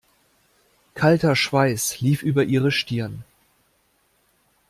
Kalter Schweiß lief über ihre Stirn.